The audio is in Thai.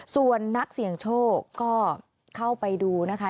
ส่วนนักเสี่ยงโชคก็เข้าไปดูนะคะ